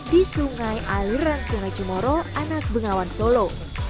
di sungai aliran sungai cimoro anak bengawan solo